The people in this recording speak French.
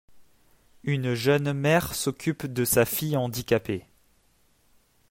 Une jeune mère s'occupe de sa fille handicapée.